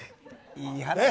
いい話。